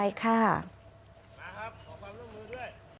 มาครับขอความร่วมมือด้วย